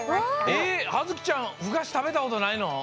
えっはづきちゃんふがし食べたことないの？